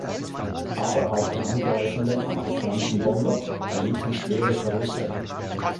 Aber auch die angreifenden amerikanischen Bomber erlitten schwere Verluste.